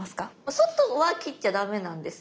外は切っちゃダメなんですよ。